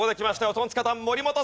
トンツカタン森本さん。